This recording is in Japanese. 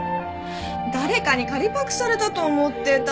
誰かに借りパクされたと思ってた。